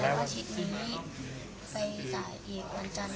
แล้วก็อาทิตย์นี้ไปจ่ายอีกวันจันทร์